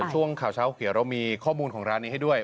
ช่วงข่าวเช้าเขียวเรามีข้อมูลของร้านนี้ให้ด้วย